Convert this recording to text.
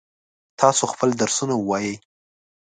تاسو خپل درسونه ووایئ.